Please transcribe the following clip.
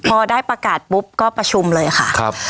พอได้ประกาศปุ๊บก็ประชุมเลยค่ะครับ